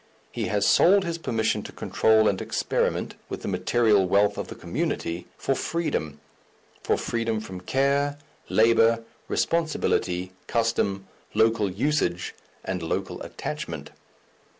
He has sold his permission to control and experiment with the material wealth of the community for freedom for freedom from care, labour, responsibility, custom, local usage and local attachment.